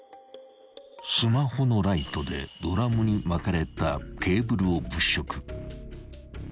［スマホのライトでドラムに巻かれたケーブルを物色］